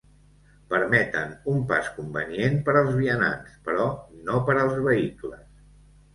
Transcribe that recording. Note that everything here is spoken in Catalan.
Permeten un pas convenient per als vianants, però no per als vehicles.